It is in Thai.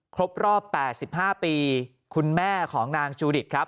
ครบรอบ๘๕ปีคุณแม่ของนางจูดิตครับ